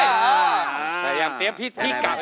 แต่อยากเตรียมพี่กลับเลยว่า